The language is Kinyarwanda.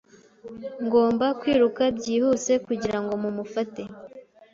Ngomba kwiruka byihuse kugirango mumufate.